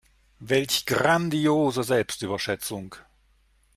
Welch grandiose Selbstüberschätzung.